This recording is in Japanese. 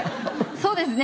そうですね。